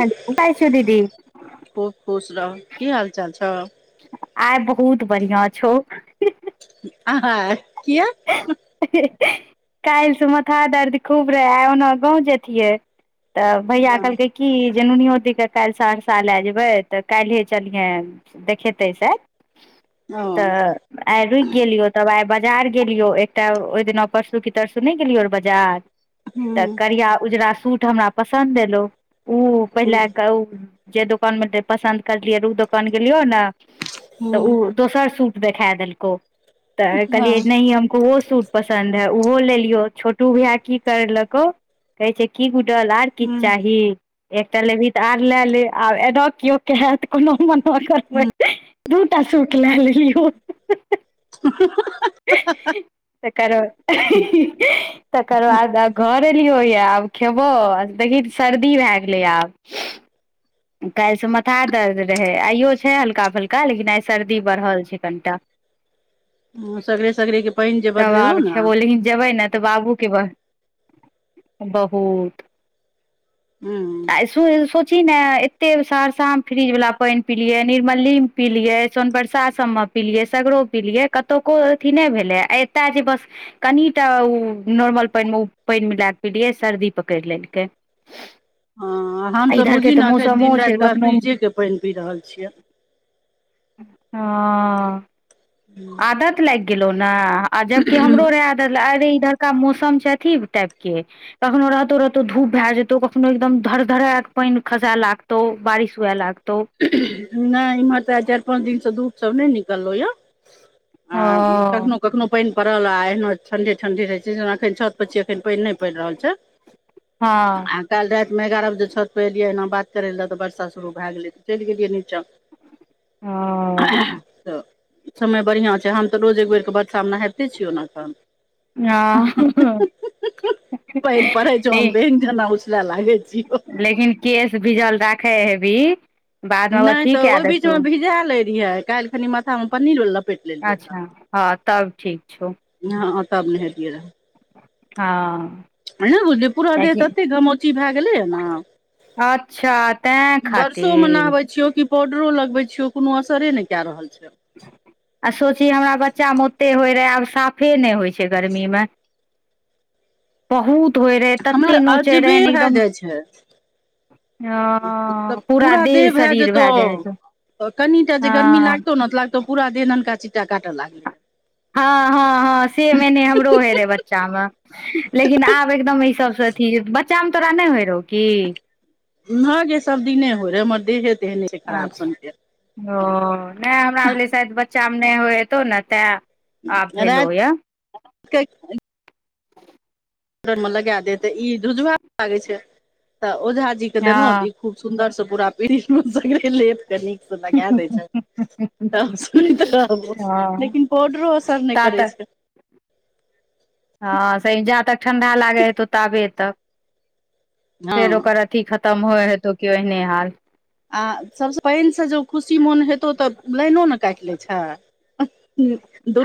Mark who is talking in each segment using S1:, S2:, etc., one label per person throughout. S1: Hello गोर लागै छियौ दीदी
S2: खूब खुश रहऽ की हाल चाल छ
S1: आइ बहुत बढ़ियाँ छौ
S2: आहा किये
S1: [unintelligible] काल्हिसँ माथा दर्द खूब रहै आइ ओनऽ गाँव जैतीयै तऽ भैया
S2: ओ
S1: कहलकै की जे नुनियोदीे काल्हि सहरसा लए जेबै तऽ काल्हिये चलिहें देखेतै से
S2: हूँ
S1: तऽ आइ रुकि गेलियौ तब आइ बजार गेलियौ एकटा ओहि दिना परसू कि तरसू नै गेलियौ रहै बजार तऽ
S2: हूँ
S1: करिया उजरा सूट हमरा पसन्द एलौ ओ पहिले
S2: हूँ
S1: कऽ जे दोकानमे पसन्द करलियै रऽ ओ दोकान गेलियै ने तऽ ऊ दोसर सूट देखे देलकौ तऽ
S2: हूँ
S1: [unintelligible] ओहो लेलियो छोटू भैया की करलकौ कहै छै की गुडल आर किछ चाही एकटा लेबही तऽ आओर लए ले आब एना केओ केहे तऽ कोनो मना करबै दूटा सूट लए लेलियौ
S2: [unintelligible] ह [unintelligible]
S1: तकर तकर बाद आब घर एलियो ये आब खयबौ देखही तऽ सर्दी भए गेलै आब काल्हिसँ माथा दर्द रहै आइयो छै हल्का फल्का लेकिन आइ सर्दी बढ़ल छै कनिटा
S2: हँ सगरे सगरे पानि जे
S1: तब
S2: बदलेलहुँ
S1: आब
S2: ने
S1: खेबो लेकिन जेबै ने तऽ बाबूके ब बहुत
S2: हूंम्म
S1: तु सोचही ने एते सहरसा मे फ्रीज वाला पानि पिलियै निर्मली पिलियै सोनबरसा सबमे पिलियै सगरो पिलियै कतको अथी नहि भेलै आ एत आके बस कनि तऽ उ नॉर्मल पानिमे ओ पानि मिला कऽ पिलियै सर्दी पकड़ि लेलकै [inaudible]
S2: हँ हम तऽ
S1: इधर के
S2: बुझही ने एखन दिन
S1: मौसमो छै
S2: राति वएह
S1: कखनो
S2: फ्रिजेके पानि पी रहल छियै
S1: हँ आदत लागि गेलौ न आ आ जबकी हमरो रहै आदत अरे इधरका मौसम छै अथी टाइप के कखनो रहतौ रहतौ धूप भए जेतौ कखनो एकदम धर धरे कऽ पानि खसाए लागतौ बारिश हुए लागतौ।
S2: नहि इम्हर तऽ चारि पाँच दिनसँ धुप सब नहि निकललों यऽ
S1: ओ
S2: हां हिनकर नो कखनो पैन परल आ एहिनो ठण्डे ठण्डे रहै छै जेना अखन छत पर छियै अखन पानि नहि पैर रहल छै
S1: हँ
S2: आ काल्हि रातिमे एगारह बजे छतपर एलियै एना बात करय लए रहए तऽ वर्षा शुरू भए गेलै तऽ चलि गेलियै नीचाँ
S1: ओ
S2: तऽ समय बढ़िआँ छै हम तऽ रोज एक बेरकेऽ वर्षामे नहाइते छियौ एखन
S1: आ ले
S2: ना उसला लागै छिय
S1: लेकिन केश भीजल राखै हेबी बाद मे
S2: नहि
S1: अथी
S2: तऽ
S1: कए
S2: ओहि बीच
S1: देतौ
S2: मे भिजा ले रहियै काल्हि खनी मथा पन्नी ल
S1: अच्छा हँ तब ठीक छौ
S2: हँ तब ने हैट गेल
S1: हँ
S2: हौ अ मधेपुरा वाली
S1: कियाकि
S2: त अतेऽ द कुी भए गेलैय ने [inaudible]
S1: अच्छा तेँ
S2: बरसो मे
S1: खातिर
S2: नहबै छियौ कि पाउडरो लगबै छियौ कोनो असरे नहि कए रहल छै
S1: आ सोची हमरा बच्चामे ओते होइत रहए आब साफे नहि होइत छै गर्मीमे होय रहे तते
S2: हमरा
S1: नोचे
S2: अजबे
S1: रहे ने
S2: भए
S1: एकदम
S2: जाइ छै तब पूरा देह भए जेतहु कनिटा जे गर्मी
S1: हँ
S2: लागतौ नेऽ लागतौ पूरा देह ननका चि्टा काटय लागलै
S1: हँ हँ हँ से मेने हमरो हे रहे बच्च बच्चामे लेकिन आब एकदम एहि सबसँ अथी बच्चामे तोरा नहि होइ रहौ की
S2: ह गे सब दिने होइ रहे हमर देहे तेहने खराब
S1: अच्छा
S2: सनके
S1: ओ नहि हमरा भेल शायद बच्चामे नहि होइ हयतौ ने तैं आब भेलो
S2: राति
S1: या
S2: रह ने लगा दे तऽ ई झुझवान लागे छै तऽ ओझा जी के
S1: हँ
S2: देलहुं दुत खूब सुन्दर से पूरा पीढ़ीे मुंह [unintelligible] लेत कनी जो लगे दै छै त सुइत रहबो
S1: हँ
S2: लेकिन पाउडरो असर नहि
S1: ता
S2: करै
S1: तक
S2: छै
S1: हँ से जा तक ठण्डा लागै हे तौ ताबे तक
S2: हँ
S1: फेर ओकर थी खतम होइ हेतौ की ओहने हाल
S2: आ सभसँ पानिसँ जँ खुशी मोन हेतौ तऽ लाइनो ने काटि लैत छै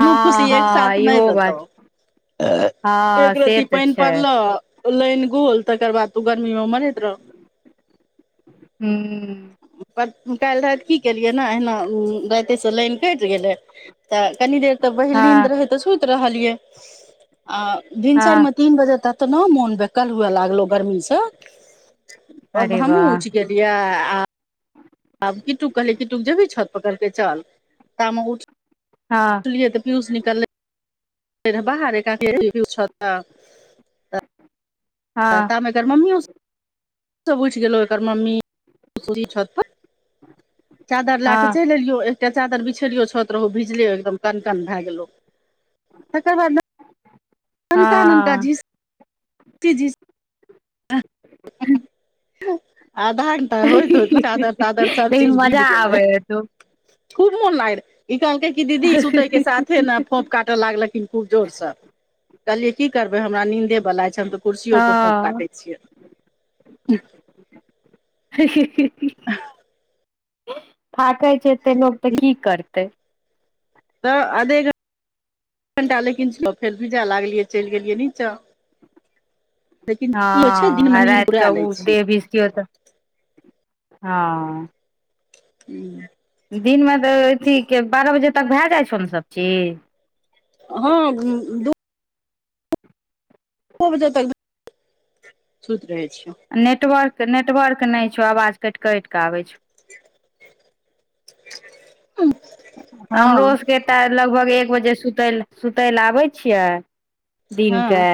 S1: हँ
S2: खुशी एक
S1: हँ
S2: साथ नहि
S1: इहो
S2: देतौ
S1: बात
S2: ए
S1: हँ
S2: एक
S1: से
S2: रती
S1: तऽ
S2: पानि
S1: छै
S2: पड़लौ लाइन गोल तकर बाद तू गर्मी में मरैत रह
S1: हू
S2: पर काल्हि राति की केलियै ने अहिना रातिसँ लाइन कटि गेलै तऽ कनी देर तऽ पहिल नींद
S1: हँ
S2: रहै तऽ सुति रहलियै आ
S1: हँ
S2: भिनसरमे तीन बजे तत नो मोन बेकल हुए लागलो गर्मी से अब
S1: अरे
S2: हमहुं
S1: वाह
S2: उठ गेल बिआ आ आब किट्टु कहै की तु जेबी छत पकैड़ के चल तामे उठ
S1: हँ
S2: ए त पीयूष निकल्लै फेर रे बाहरे का के रहे भ छ तऽ पर [inaudible]
S1: हँ
S2: तामे एकर मम्मी सब उइठ गेलहय एकर मम्मी सीरही छतपर चादर लए क
S1: हँ
S2: चैल एलियो चादर बिछेलयो छत रह भिजले एकदम कनन भए गेलो तकर बाद ननका ननका [unintelligible]
S1: हँ
S2: जी आधा [unintelligible] होइत होइत चादर तादर सब
S1: लेकिन
S2: चीज बीझ
S1: मजा आबै
S2: गेलै
S1: हेतौ
S2: खूब मन [unintelligible] ई कहलकै क दीदी सुतय के साथे ने फोप काटे लागलखिन खूब जोर स कहलियै की करबै हमरा नींन्देवला छै हम तऽ कुर्सियोपर फोफ काटैत छियै
S1: [inaudible] ही ही ही ही [unintelligible] छै एते लोक तऽ की करतै
S2: तऽ आधे घंटा लेकिन सब फेर भीजा लागलियै चैल गेलियै नीचाँ लेकिन
S1: हँ
S2: की होइ छै दिनमे
S1: आ
S2: नींद
S1: रातिकऽ
S2: पुरा लै
S1: ओ देह [unintelligible] तऽ हँ
S2: [inaudible]
S1: दिनमे तऽ अथीके बारह बजे तक भए जाइ छौ ने सभचीज
S2: हँ दु बजे तक सुत रहे छिय
S1: नेटवर्क नेटवर्क नै छौ आवाज काटि काटि कऽ आबै छौ
S2: [unintelligible]
S1: हमरो
S2: हँ
S1: सभके तऽ लगभग एक बजे सुतय ल सुतय लेलए आबै छियै दिनके
S2: हँ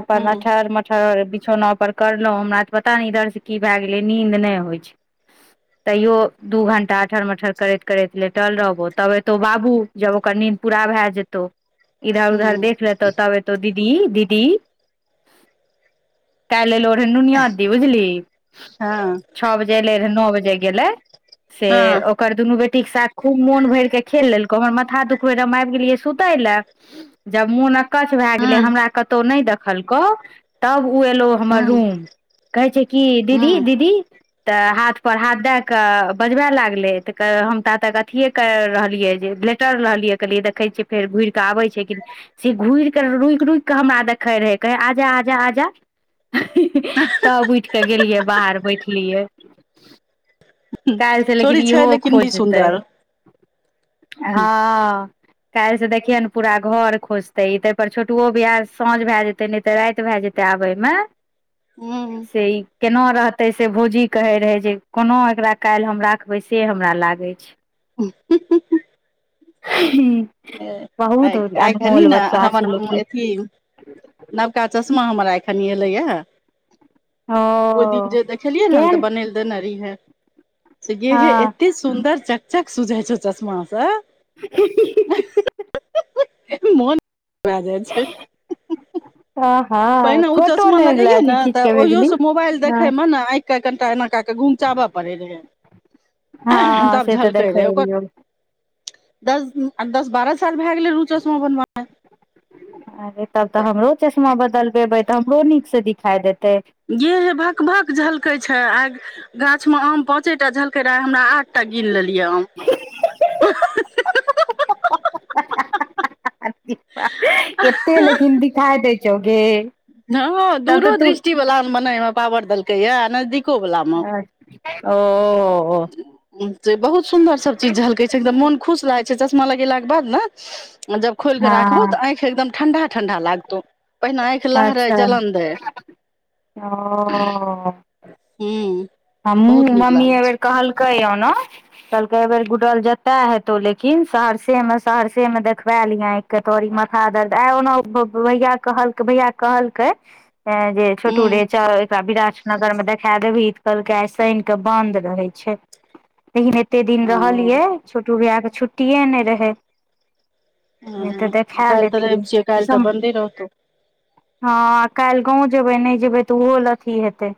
S1: अपन
S2: हूँ
S1: [unintelligible] बिऽ बिछौना पर करलहुँ हमरा तऽ पता नहि इधर से की भए गेलै नींन्द नहि होइ छै तैयो दू घंटा अठर मटर करैत करैत लेटल रहबौ तब एतौ बाबू जब ओकर नीद पूरा भए जेतौ इधर उधर
S2: हूँ
S1: देख लेतौ तब एतौ दीदी - दीदी कैल लो रहे नुनियादी बुझली
S2: हँ
S1: छः बजे एले रहे नओ बजे गेलै से
S2: हँ
S1: ओकर दुनू बेटीके साथ खूब मोन भैर के खेल लेलकौ हमर माथा [unintelligible] आबि गेलियै सुतय ला जब मोन कछ भए गेलै
S2: हूँ
S1: हमरा कतो नै देखलकौ तब उ एयलो हमर
S2: हूँ
S1: रूम कहै छै कि दीदी
S2: हूँ
S1: दीदी तऽ हाथपर हाथ दए कऽ बजबय लागलै तऽ हम त ता तक अथियए कर रहलियै जे लेटल रहलियै कहलियै देखै छियै फेर घुइर कऽ आबै छै कि से घुर के रुइक रुइक केऽ हमरा देखे रहे कहे आ जा आ जा आ जा [unintelligible] तब उइठ कऽ गेलियै बाहर बैठलियै कैल स लेकिन
S2: छोरी छै
S1: इहो
S2: लेकिन बड़ी
S1: खोजतै
S2: सुन्दर
S1: हँ कैल से देखिये ने पूरा घर खोजते तई पर छोटुओ बियाह साँझ भय जेते नहि तऽ राति भए जेतै आबैमे
S2: हूँ
S1: से ई केना रहतै से भोजी कहै रहै जे कोना एकरा कैल हम राखबै से हमरा लागै छै
S2: ह हु हु
S1: ह [unintelligible]
S2: आए खेलही न
S1: छै
S2: हमर
S1: लेकिन
S2: एथि नवका चश्मा हमरा एखन एलैएआ
S1: ओ
S2: ओइ दिन जे देखलियै हन
S1: केहन
S2: तऽ [unintelligible] [unintelligible] सेे
S1: हँ
S2: एते सुन्दर चकचक सुझइ छ चश्मा से
S1: [unintelligible]
S2: मन भए जाइ छै
S1: [inaudible]
S2: पहिने उ
S1: फोटो
S2: चश्मा
S1: नहि ल
S2: लगैैयै
S1: अथी
S2: ने
S1: खींच के
S2: तऽ
S1: भेजली
S2: ओहियोसँ मोबाइल
S1: हँ
S2: देखैमे न आँखि कए कनिटा एना कए कऽ घुँमचाबय पड़ै रहै
S1: हँ
S2: तब
S1: से तऽ
S2: झलकै
S1: देखै
S2: रहै ओकर
S1: रहियौ
S2: दस दस बारह साल भए गेलैर उ चश्मा बनबाइ
S1: अरे तब तऽ हमरो चश्मा बदलबेबै तऽ हमरो नीक से दिखाइ देतै
S2: गे हे भकभक झलकै छै आइ गाछ मे आम पाँचे टा झलकै फेर आइ हमरा आठटा गिन लेलियै हम
S1: एते लेकीन दिखाइ दै चोगे [unintelligible]
S2: हँँ हँ दूरो दृष्टि बला मने पावर देलकैए आ नजदीक
S1: अच्छ ओ
S2: जे बहुत सुन्दर सब चीज झलकै छै एकदम मन खुश रहै छै चश्मा लगेलाक के बाद ने जब खोलिके राखबौ
S1: हँ
S2: तऽ आंखि एकदम ठंडा ठंडा लागतो पहिने आँखि लहरै
S1: अच्छा
S2: जलन दैेय।
S1: हँ
S2: हूंम्म
S1: हमहूँ मम्मी एहि बेेर कहलकै ये ओना कहलकै एहि बेेर गुडल जतऽ हेतौ लेकिन सहरसे मे सहरसे मे देखबै लिहें। के तोरी माथा दर्द आइ ओना भैया कहलकै भैयाके कहलकै जे छोटु रे
S2: हूँ
S1: चल एकरा विरानगरमे देखे देबहि कहलकै आइ सनि कऽ बन्द रहै छै। लेकिन एते दिन रहलियै
S2: ओ
S1: छोटू भैयाके छुट्टिए नहि रहै नहि तऽ
S2: हँ
S1: देखे
S2: काल्हि तऽ रवि
S1: लैतियै।
S2: छियै काल्हि
S1: हँ
S2: तऽ बन्दे रहतौ
S1: आ काल्हि गाँव जेबै नहि जेबै तऽ ओहो लए अथी हेतै।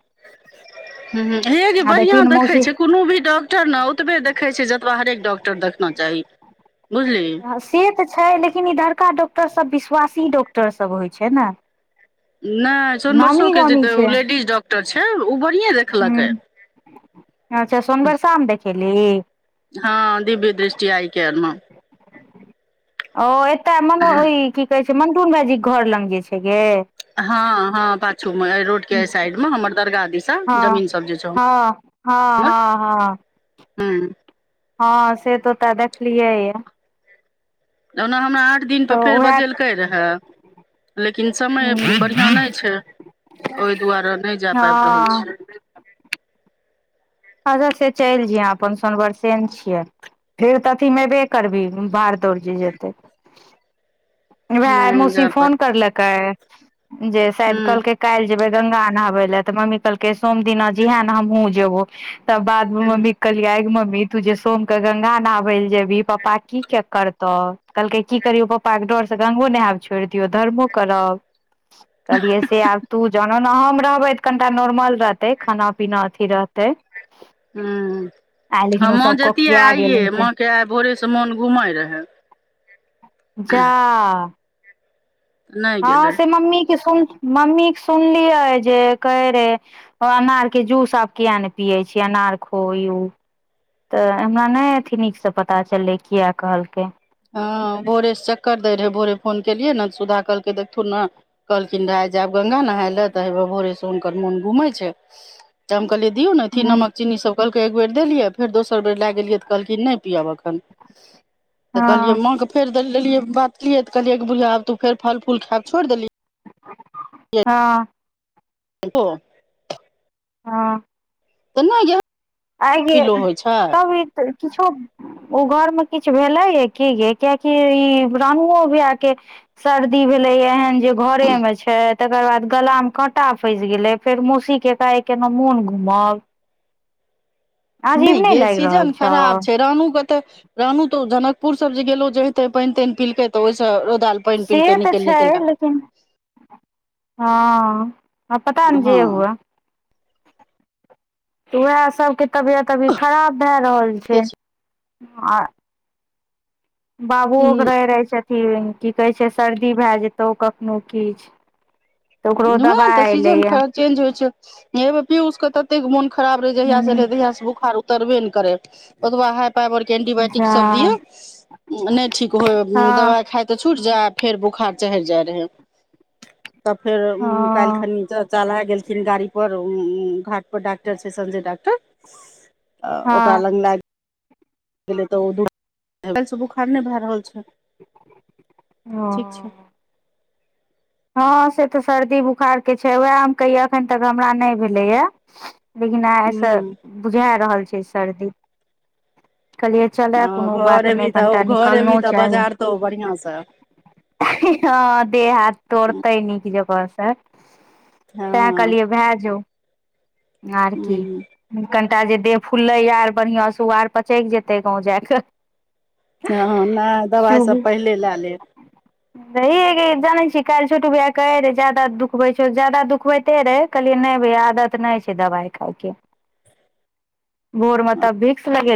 S2: हूंम्म हूंम्म हे गै
S1: आ
S2: बढ़ियाँ
S1: देखी ने
S2: देखै
S1: मौसी
S2: छै कोनो भी डॉक्ट डॉक्टर न ओतबे देखै छै जतबा हरेक डॉक्टर देखना चाही बुझलिहि
S1: हँ से तऽ छै लेकिन इधड़का डॉक्टर सब विश्वासी डॉक्टर सब होइ छै ने।
S2: नहि
S1: नामी
S2: सोनमरसोके जेऽ
S1: गामी छै ह
S2: लेडीज डॉक्टर छै ओ बढ़िएँ देखलकै
S1: अच्छा सोनबरसामे देखेलहि
S2: हँ दिव्य दृष्टि आइ केयर मे
S1: ओ एतय मनो ई की कहै छै मन्टुन भाइजी के घर लंग जे छै गे
S2: हँ हँ पाछू मे अए रोड के अए साइड मे हमर दरगाह दिस
S1: हँ हँ हँ
S2: हमर
S1: हँ हँ
S2: ह
S1: हँ से तऽ ओतऽ देखलियै य
S2: ओना हमरा आठ दिनपर
S1: तऽ
S2: फेर
S1: उएह
S2: बजेलकै रहै लेकिन समय बढ़ियाँ नहि छै ओहि दुआरे नहि जा पाबि रहल
S1: हँ
S2: छी
S1: अच्छा से चलि जैहें अपन सोनबरसे न छियै। फेर तऽ अथीमे एबे करबिही भार दौड़ जे जेतै। वैह
S2: ह
S1: आइ मौसी
S2: जाय पड़
S1: फोन करलकै जे शायद
S2: ह
S1: कहलकै काल्हि जेबै गंगा नहबै लए तऽ मम्मी कहलकै सोम दिना जैहें न हमहुँ जेबौ। तब बाद मे मम्मी कहलियै आंइ गै मम्मी तू जे सोमके गंगा नहबैल जेबही पप्पा की केप करतौ। कलकै की करियौ पप्पाके डर गंगो नेहैब छोरि दियौ धरमो करब कहलियै से आब तु जान ओना हम रहबै तऽ कनिटा नॉर्मल रहतै खाना पीना अथी रहतै
S2: हू
S1: आइ
S2: हां
S1: लेकिन ओ
S2: मां
S1: सब
S2: जैतियै
S1: कोकिया गेल
S2: आइये
S1: हेतै
S2: माँके आइ भोरेसँ मोन घुमै रहए
S1: जा
S2: नहि
S1: हँ
S2: गेलै
S1: से मम्मी के सुन मम्मी के सुनलियै जे कहै रहे अनार के जूस आब किया ने पियए छी अनार खोवयो तऽ इमहर नै अथी नीकसँ पता चललै किया कहलकै
S2: हँ भोरेसँ चक्कर दै रहै भोरे फोन केलियै न सुधा कहलकै देखथुन न कहलखिन रहाय जायब गंगा नहाय लए तऽ होवएह भोरेसँ हुनकर मोन घूमै छै त हम कहलियै दियौ न अथी
S1: हँ
S2: नमक चीनी सब कहलकै एक बेर देलियै फेर दोसर बेर लए गेलियै तऽ कहलखिन नै पिअब एखन तऽ कहलिय
S1: हँ
S2: माँ के फर देलियए बातेलिय तऽ कहलिये बुढ़िया आब तू फेर फल फूल खायब छोइर देलिही
S1: हँ
S2: हलो
S1: हँ
S2: एने ये [unintelligible]
S1: आइ हे [unintelligible] किछो ओ घर मे किछ भेलैये की गे कियाकि ई रानुओ बियाह के सर्दी भेलैये एहन जे घरे मे छथि तकर बाद गला मे काँटा फैस गेलै फेर मौसी के एकाएक एना मोन घूमब
S2: नहि गे
S1: लागि रहल
S2: सीजन
S1: छौ
S2: खराब छै रानु के त रानु तऽ ओ जनकपुर सब जे गेलो जहि तहि पइन तइन पिलकै तऽ ओहिस रौदेल
S1: से तऽ छैय लेकिन हँ आब पता ने जे
S2: हँ
S1: हुए तऽ ओएह सबके तबियत अभी खराब भए रहल छै आ बाबुओ
S2: हूँ
S1: के रहै रहै छथिन की कहे छै सर्दी भए जेतौ कखनो किछु तऽ ओकरो
S2: वएह तऽ
S1: दबाइ
S2: सीजन
S1: एलैए
S2: चेंज होय छैे अइ बेर पीयूष के तते मोन खराब रहे जहिया से एलेयै तहिया से बोखार तोरबे नै करे ओतबा हाइ पावर एन्टीबाइटिक
S1: जा
S2: सब दियौ नहि ठिक होव
S1: हँ
S2: दवाइ खाइ तऽ छुटि जाब फेर बोखार चहिर जाय रहै तब फेर उ काइलखन
S1: हँ
S2: च चलाए गेलखिन गाड़ी पर घाट पर डाक्टर छैय संजय डाक्टर अ ओकरा
S1: हँ
S2: लग इलाज तऽ [unintelligible] काइल सऽ बुखार नै भए रहल छै
S1: ओ
S2: ठीक छै
S1: हँ से तऽ सर्दी बुखारके छै उएह हम कहियै एखन तक हमरा नहि भेलैए लेकिन आइसँ
S2: ह
S1: बुझा रहल छै सर्दी कहलियै चलय कोनो
S2: घर
S1: बात
S2: एबही
S1: नहि
S2: तऽ
S1: कनिटा
S2: घर एबही
S1: निकलनो
S2: तऽ
S1: चाही
S2: बाजार तो बढ़िआं से
S1: हँ देह हाथ तोड़तै नीक जेकाऽ सऽ
S2: हँ
S1: तैं कहलियै भए जो आर की
S2: ह
S1: कन कटा जे देह फुलैये आर बढ़या से उ आर पचैक जेतै बढ़ियां से गाँव जा के
S2: हँ नहि
S1: शुभ
S2: दबाइसभ पहिले लए लेब
S1: हे [unintelligible] जनै छी काइल छोटू भैया कहे रहै जादा दुखबे छौ जादा दुखबैते रहे कहलिये नहि भैया आदत नहि छै दवाइ के ओके भोर मे त भिक्स लगेलक